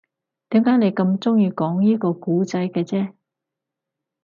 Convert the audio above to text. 點解你咁鍾意講依個故仔嘅啫